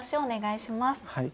はい。